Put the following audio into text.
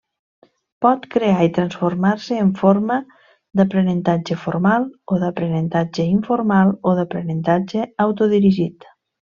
Pot crear i transformar-se en forma d'aprenentatge formal o d'aprenentatge informal o d'aprenentatge autodirigit.